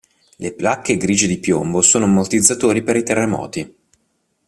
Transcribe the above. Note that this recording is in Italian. Le placche grigie di piombo sono ammortizzatori per i terremoti.